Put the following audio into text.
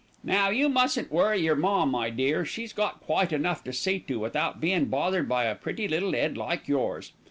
"Now, you mustn't worry yer ma, my dear. She's got quite enough to see to without bein' bothered by a pretty little 'ead like yours.